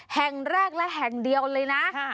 แห่งแรกและแห่งเดียวเลยนะ